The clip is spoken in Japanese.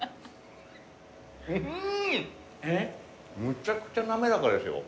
むちゃくちゃ滑らかですよ。